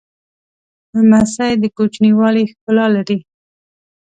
لمسی د کوچنیوالي ښکلا لري.